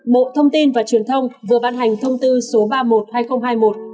bộ thông tin và truyền thông vừa ban hành thông tư số ba mươi một hai nghìn hai mươi một